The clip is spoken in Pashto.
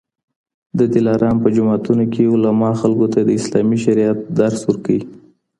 د دلارام په جوماتونو کي علما خلکو ته د اسلامي شریعت درس ورکوي.